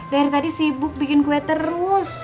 dari tadi sibuk bikin kue terus